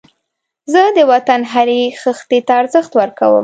زه د وطن هرې خښتې ته ارزښت ورکوم